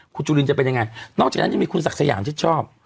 คุณจุลินจะเป็นยังไงนอกจากนั้นยังมีคุณศักดิ์สยามชิดชอบ